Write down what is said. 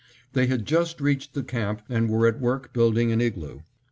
They had just reached the camp and were at work building an igloo.